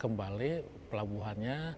kembali kembali pelabuhannya